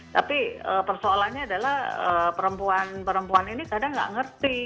tapi persoalannya adalah perempuan perempuan ini kadang tidak mengerti